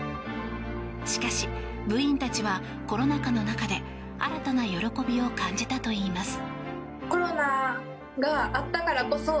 しかし部員たちはコロナ禍の中で新たな喜びを感じたといいます。